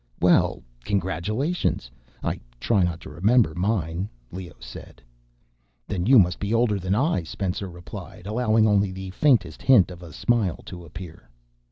Well, congratulations. I try not to remember mine," Leoh said. "Then you must be older than I," Spencer replied, allowing only the faintest hint of a smile to appear.